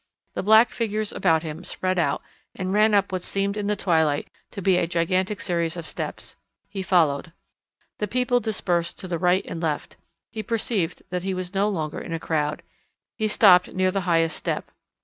The black figures about him spread out and ran up what seemed in the twilight to be a gigantic series of steps. He followed. The people dispersed to the right and left.... He perceived that he was no longer in a crowd. He stopped near the highest step.